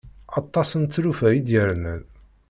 Aṭas n tlufa i d-yernan.